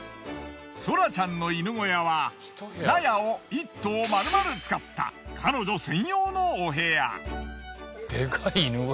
ソラちゃんの犬小屋は納屋を一棟まるまる使った彼女専用のお部屋。